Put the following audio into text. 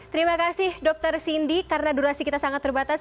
terima kasih dokter cindy karena durasi kita sangat terbatas